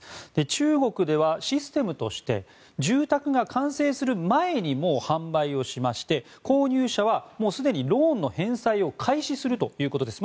中国ではシステムとして住宅が完成する前にもう販売をしまして購入者はすでにローンの返済を開始するということです。